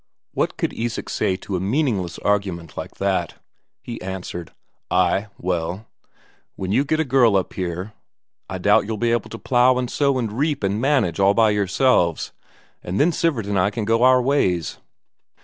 What could Isak say to a meaningless argument like that? He answered: "Ay, well; when you get a girl up here, I doubt you'll be able to plough and sow and reap and manage all by yourselves. And then Sivert and I can go our ways."